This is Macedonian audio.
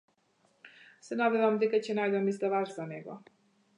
Се надевам дека ќе најдам издавач за него.